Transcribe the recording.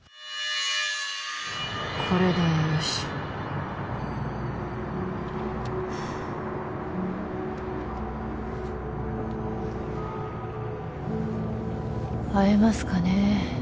これでよし会えますかね